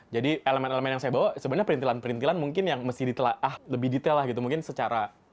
jadi elemen elemen yang saya bawa sebenarnya perintilan perintilan mungkin yang lebih detail lah gitu mungkin secara